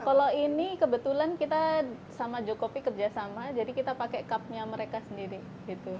kalau ini kebetulan kita sama jokowi kerjasama jadi kita pakai cupnya mereka sendiri gitu